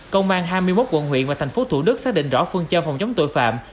công an hai mươi một quận huyện và thành phố thủ đức xác định rõ phương châm phòng chống tội phạm